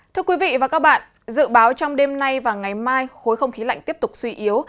thưa quý vị và các bạn dự báo trong đêm nay và ngày mai khối không khí lạnh tiếp tục suy yếu